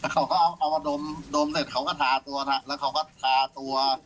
เขาก็เอามาดมเสร็จเขาก็ทาตัวแล้วเขาก็ทาตัว